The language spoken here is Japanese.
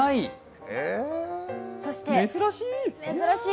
珍しい！